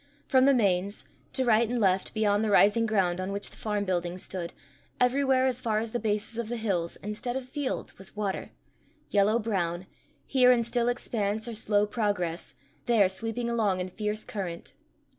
From the Mains, to right and left beyond the rising ground on which the farm buildings stood, everywhere as far as the bases of the hills, instead of fields was water, yellow brown, here in still expanse or slow progress, there sweeping along in fierce current.